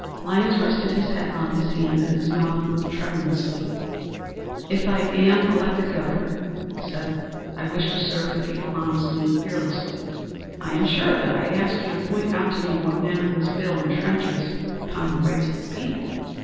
Lyons rested his head on his hand and his mouth moved tremulously. "If I am elected governor," he said, "I wish to serve the people honestly and fearlessly." "I am sure of it. I ask you to point out to me in what manner this bill trenches upon the rights of the people.